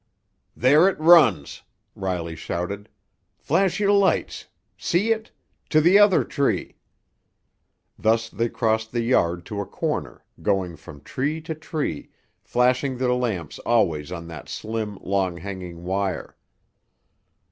"There it runs!" Riley shouted. "Flash your lights! See it? To the other tree!" Thus they crossed the yard to a corner, going from tree to tree, flashing their lamps always on that slim, long hanging wire.